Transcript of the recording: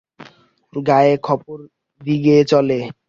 গায়ে খপর দি গে চলো।